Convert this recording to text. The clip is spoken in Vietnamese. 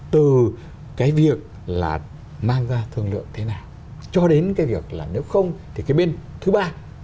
từ cái việc là mang ra thương lượng thế nào cho đến cái việc là nếu không thì cái bên thứ ba